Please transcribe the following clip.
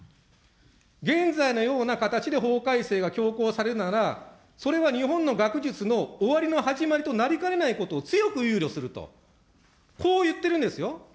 現在のような形で法改正がされるなら、それは日本の学術の終わりの始まりとなりかねないことを強く憂慮すると、こう言ってるんですよ。